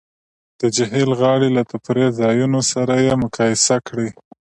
د جهیل غاړې له تفریح ځایونو سره یې مقایسه کړئ